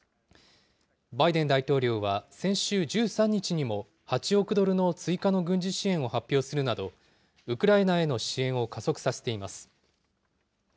バイデン大統領は、先週１３日にも８億ドルの追加の軍事支援を発表するなど、ウクライナへの支援を加速させています。